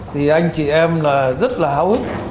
thì anh chị em là rất là háo hức